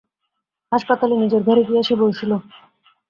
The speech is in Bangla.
হাসপাতালে নিজের ঘরে গিয়া সে বসিল।